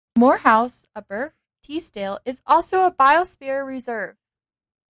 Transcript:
Moor House-Upper Teesdale is also a Biosphere reserve.